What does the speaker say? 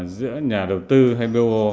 giữa nhà đầu tư hay bot